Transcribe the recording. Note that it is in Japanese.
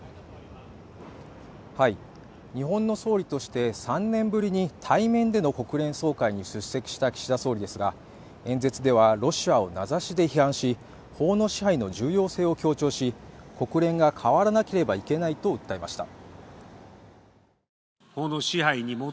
日本の総理として３年ぶりに対面での国連総会に出席した岸田総理ですが演説ではロシアを名指しで批判し法の支配の重要性を強調し国連が変わらなければいけないと訴えました